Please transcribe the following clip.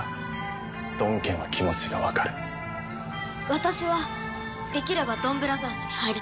私はできればドンブラザーズに入りたい。